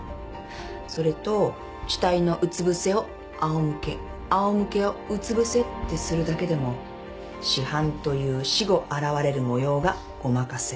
それと死体のうつぶせをあおむけあおむけをうつぶせってするだけでも死斑という死後現れる模様がごまかせる。